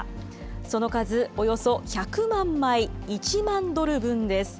その数およそ１００万枚、１万ドル分です。